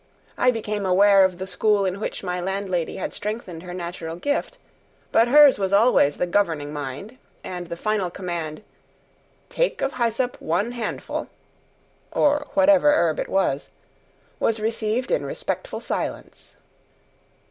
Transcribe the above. I became aware of the school in which my landlady had strengthened her natural gift; but hers was always the governing mind, and the final command, "Take of hy'sop one handful" (or whatever herb it was), was received in respectful silence.